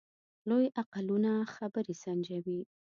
لوی عقلونه خبرې سنجوي.